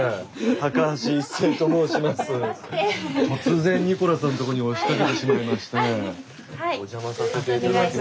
突然ニコラさんのとこに押しかけてしまいまして。